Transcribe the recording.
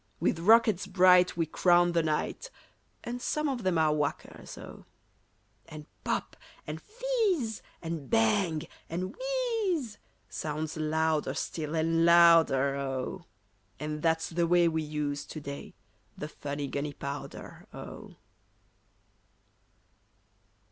With rockets bright we crown the night, (And some of them are whackers, oh!) And "pop!" and "fizz!" and "bang!" and "whizz!" Sounds louder still and louder, oh! And that's the way we use, to day, The funny gunny powder, oh!